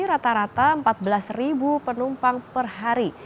rata rata empat belas penumpang per hari